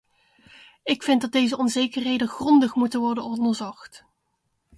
Ik vind dat deze onzekerheden grondig moeten worden onderzocht.